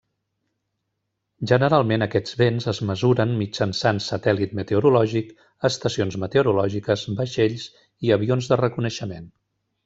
Generalment aquests vents es mesuren mitjançant satèl·lit meteorològic, estacions meteorològiques, vaixells i avions de reconeixement.